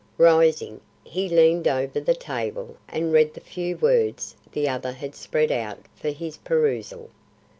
Rising, he leaned over the table and read the few words the other had spread out for his perusal.